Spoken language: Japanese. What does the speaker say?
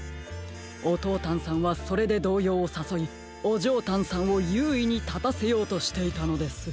オトータンさんはそれでどうようをさそいオジョータンさんをゆういにたたせようとしていたのです。